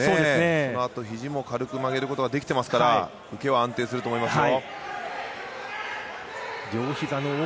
そのあとひじも軽く曲げることができていますから受けは安定すると思いますよ。